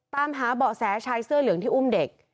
ตามหาเบาะแสชายเสื้อเหลืองที่อุ้มเด็ก